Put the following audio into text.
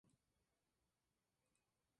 Es una pequeña planta arbustiva suculenta.